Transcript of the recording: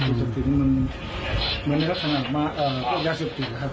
เพิ่มซานี้มันเนื้อต่ำการการพวงยาเสพติดครับ